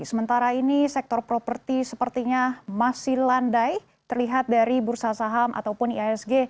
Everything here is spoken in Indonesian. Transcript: sementara ini sektor properti sepertinya masih landai terlihat dari bursa saham ataupun ihsg